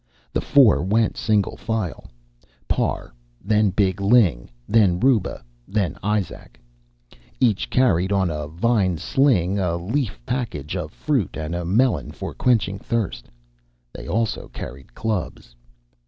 The four went single file Parr, then big Ling, then Ruba, then Izak. Each carried, on a vine sling, a leaf package of fruit and a melon for quenching thirst. They also carried clubs.